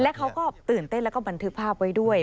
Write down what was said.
และเขาก็ตื่นเต้นแล้วก็บันทึกภาพไว้ด้วย